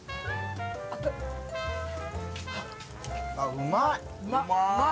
うまい。